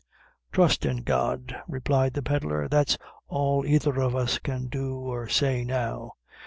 "Trust in God," replied the pedlar, "that's all either of us can do or say now.